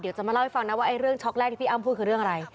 ว่าไอ้เรื่องช็อกแรกที่พี่อ้ำพูดคือเรื่องอะไร